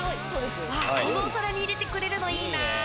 このお皿に入れてくれるのいいな。